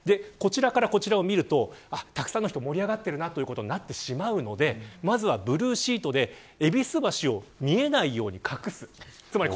こちらを見るとたくさんの人が盛り上がっているなということになってしまうのでまずはブルーシートで戎橋を見えないように隠します。